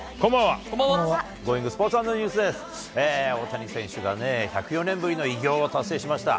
大谷選手がね、１０４年ぶりの偉業を達成しました。